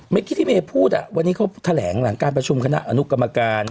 เมื่อกี้ที่เมย์พูดวันนี้เขาแถลงหลังการประชุมคณะอนุกรรมการ